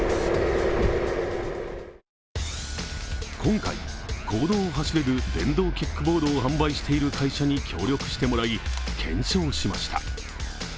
今回、公道を走れる電動キックボードを販売している会社に協力してもらい、検証しました。